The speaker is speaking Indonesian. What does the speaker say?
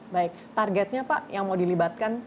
baik targetnya pak yang mau dilibatkan